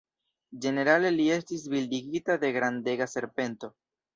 Ĝenerale li estis bildigita de grandega serpento.